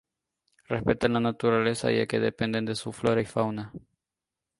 Respetan la naturaleza ya que dependen de su flora y fauna.